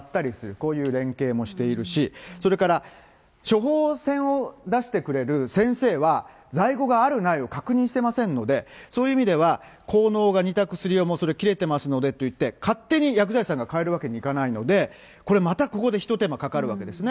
こういう連携もしているし、それから処方箋を出してくれる先生は在庫があるないを確認してませんので、そういう意味では、効能が似た薬を、もうそれ切れてますのでっていって、勝手に薬剤師さんが変えるわけにいかないので、これ、またここで一手間かかるわけですよね。